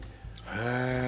へえ！